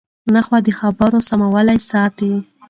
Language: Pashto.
نحوه د خبرو سموالی ساتي.